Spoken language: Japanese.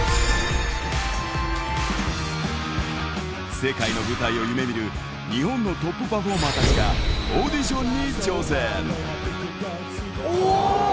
世界の舞台を夢みる日本のトップパフォーマーたちがオーディショおー。